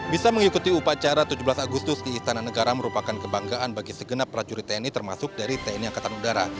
bisa mengikuti upacara tujuh belas agustus di istana negara merupakan kebanggaan bagi segenap prajurit tni termasuk dari tni angkatan udara